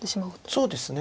そうですね。